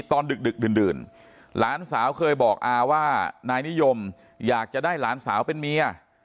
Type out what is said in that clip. ดึกดื่นหลานสาวเคยบอกอาว่านายนิยมอยากจะได้หลานสาวเป็นเมีย